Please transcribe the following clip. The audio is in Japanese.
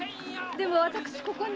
でも私ここに。